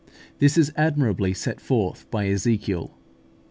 This is admirably set forth by Ezekiel.